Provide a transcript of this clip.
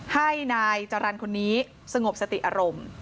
ให้นายจรรย์คนนี้สงบสติอารมณ์